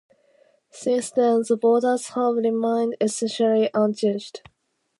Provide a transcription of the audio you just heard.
Since then, the borders have remained essentially unchanged.